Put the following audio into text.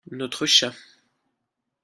notre chat.